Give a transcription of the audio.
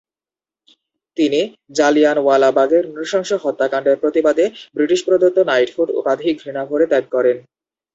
তিনি জালিয়ানওয়ালাবাগের নৃশংস হত্যাকাণ্ডের প্রতিবাদে বৃটিশপ্রদত্ত নাইটহুড উপাধি ঘৃণাভরে ত্যাগ করেন।